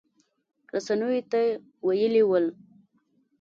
رسنیو ته ویلي ول